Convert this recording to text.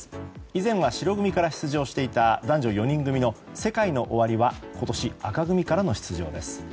以前は白組から出場していた男女４人組のＳＥＫＡＩＮＯＯＷＡＲＩは今年、紅組からの出場です。